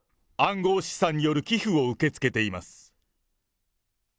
暗号資産による寄付を受け付けています。